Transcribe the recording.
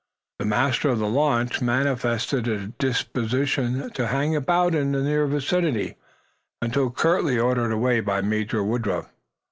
The master of the launch manifested a disposition to hang about in the near vicinity, until curtly ordered away by Major Woodruff.